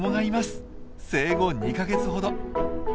生後２か月ほど。